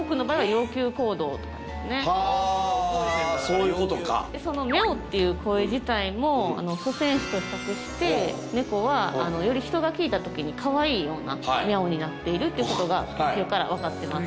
要求そういうことかそのミャオっていう声自体も祖先種と比較して猫はあのより人が聴いたときに可愛いようなミャオになっているってことが研究から分かってます